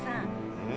うん？